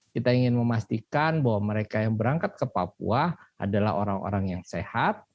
kita ingin memastikan bahwa mereka yang berangkat ke papua adalah orang orang yang sehat